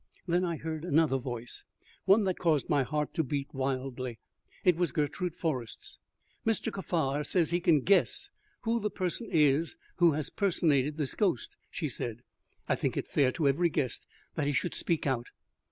Then I heard another voice, one that caused my heart to beat wildly. It was Gertrude Forrest's. "Mr. Kaffar says he can guess who the person is who has personated this ghost," she said; "I think it fair to every guest that he should speak out."